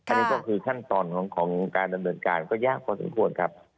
อันนี้ก็คือขั้นตอนของการดำเนินการก็ยากพอสมควรครับ